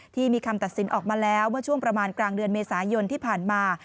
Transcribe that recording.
ที่มีคำตัดสินออกมาแล้วเมื่อช่วงประมาณกลางเดือนเมษายนที่ผ่านมา